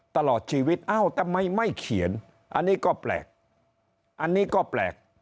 ตลอดชีวิตเอ้าทำไมไม่เขียนอันนี้ก็แปลกอันนี้ก็แปลก